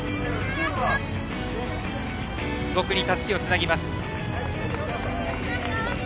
５区にたすきをつなぎます。